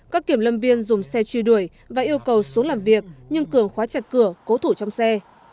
các kiểm lâm viên dùng xe truy đuổi và yêu cầu xuống làm việc nhưng cường khóa chặt cửa cố thủ trong xe